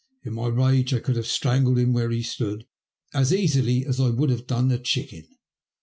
In my rage I could have strangled him where he stood, as easily as I would have done a chicken.